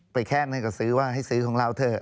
แค่เงินก็ซื้อว่าให้ซื้อของเราเถอะ